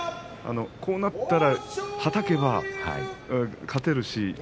こうなったら、はたけば勝てる。